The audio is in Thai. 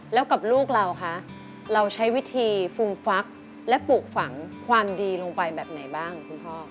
แล้วกับลูกเราคะเราใช้วิธีฟุมฟักและปลูกฝังความดีลงไปแบบไหนบ้างคุณพ่อ